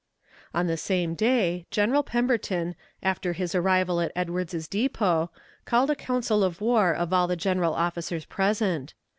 On the same day, General Pemberton, after his arrival at Edwards's Depot, called a council of war of all the general officers present.